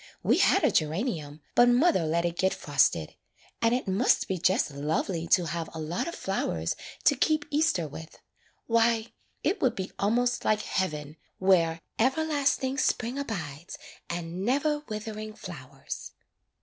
We had a gera nium, but mother let it get frosted. And it must be just lovely to have a lot of flowers to keep Easter with. Why, it would be almost like heaven, where " 'Everlasting Spring abides And never withering flowers.